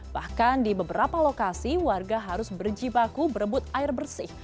bahkan di beberapa lokasi warga harus berjibaku berebut air bersih